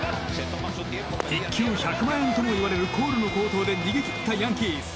１球１００万円ともいわれるコールの好投で逃げ切ったヤンキース。